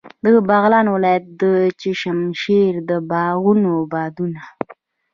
د بغلان ولایت د چشم شیر د باغونو بادونه.